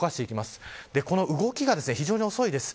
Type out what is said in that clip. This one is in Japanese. この動きが非常に遅いです。